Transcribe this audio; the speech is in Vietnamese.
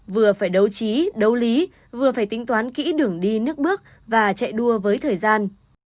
vừa phải đấu trí đấu lý vừa phải tính toán kỹ đường đi nước bước và chạy đua với thời gian